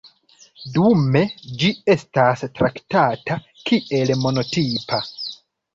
Dume ĝi estas traktata kiel monotipa.